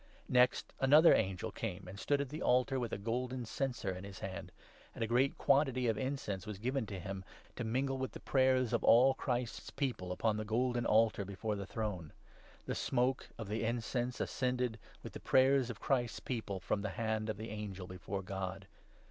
Next, another angel came and stood at the altar with a 3 golden censer in his hand ; and a great quantity of incense was given to him, to mingle with the prayers of all Christ's People upon the golden altar before the throne. The smoke 4 of the incense ascended, with the prayers of Christ's People, from the hand of the angel before God.